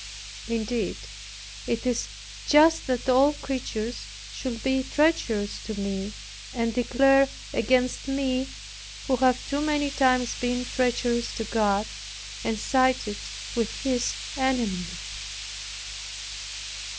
Indeed, it is just that all creatures should be treacherous to me, and declare against me, who have too many times been treacherous to God, and sided with His enemy.